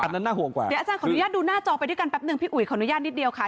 น่าห่วงกว่าเดี๋ยวอาจารย์ขออนุญาตดูหน้าจอไปด้วยกันแป๊บหนึ่งพี่อุ๋ยขออนุญาตนิดเดียวค่ะ